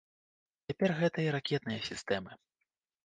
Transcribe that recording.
Цяпер гэта і ракетныя сістэмы.